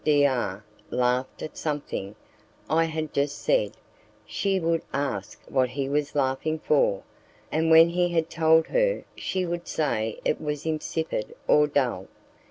D R laughed at something I had just said, she would ask what he was laughing for, and when he had told her, she would say it was insipid or dull.